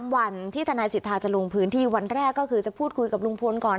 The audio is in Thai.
วันที่ทนายสิทธาจะลงพื้นที่วันแรกก็คือจะพูดคุยกับลุงพลก่อน